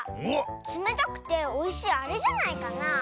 つめたくておいしいあれじゃないかな。